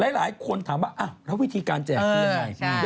หลายคนถามว่าอ้าวแล้ววิธีการแจกเงินยังไง